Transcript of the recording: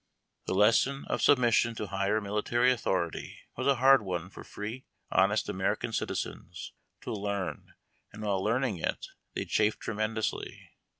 The lesson ot submission to higher military authority was a hard one for free, honest American citizens to l«u.i, and while learning it, they chafed tremendously.